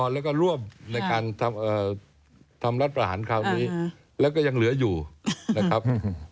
และก็ยังเหลืออยู่นะครับ